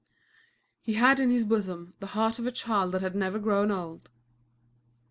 He had in his bosom the heart of a child that had never grown old.